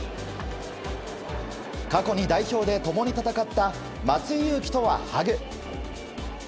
過去に代表で共に戦った松井裕樹とは、ハグ。